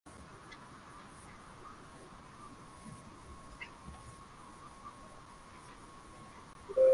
Asilimia ishirini haina dini yoyote